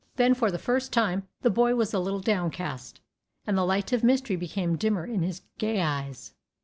Then for the first time the boy was a little downcast, and the light of mystery became dimmer in his gay eyes.